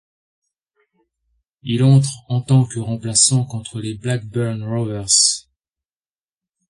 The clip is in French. Il entre en tant que remplaçant contre les Blackburn Rovers.